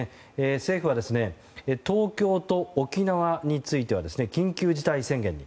政府は、東京と沖縄については緊急事態宣言に。